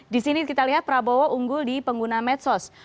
di sini kita lihat prabowo unggul di pengguna medsos